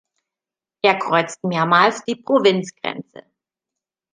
Er kreuzt mehrmals die Provinzgrenze.